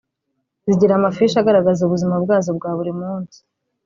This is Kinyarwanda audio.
zigira amafishi agaragaza ubuzima bwazo bwa buri munsi